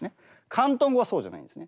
広東語はそうじゃないんですね。